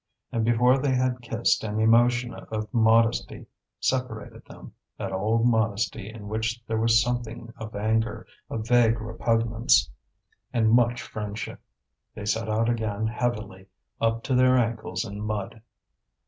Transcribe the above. And before they had kissed an emotion of modesty separated them, that old modesty in which there was something of anger, a vague repugnance, and much friendship. They set out again heavily, up to their ankles in mud.